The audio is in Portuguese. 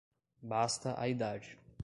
Basta a idade